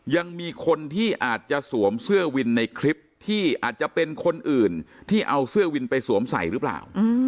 ยังมีคนที่อาจจะสวมเสื้อวินในคลิปที่อาจจะเป็นคนอื่นที่เอาเสื้อวินไปสวมใส่หรือเปล่า